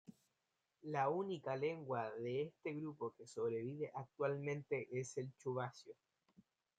La única lengua de este grupo que sobrevive actualmente es el chuvasio.